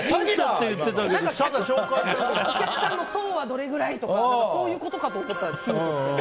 お客さんの層はどれくらいとかそういうことかと思ったヒントって。